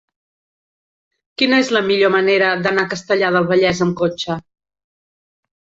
Quina és la millor manera d'anar a Castellar del Vallès amb cotxe?